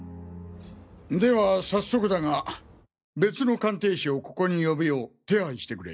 ではさっそくだが別の鑑定士をここに呼ぶよう手配してくれ。